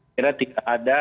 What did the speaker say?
kira tidak ada